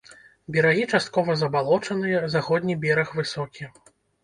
Берагі часткова забалочаныя, заходні бераг высокі.